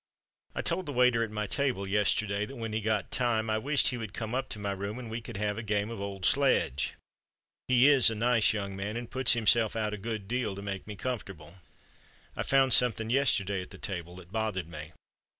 "I told the waiter at my table yesterday that when he got time I wished he would come up to my room and we could have a game of old sledge. He is a nice young man, and puts himself out a good deal to make me comfortable. "I found something yesterday at the table that bothered me.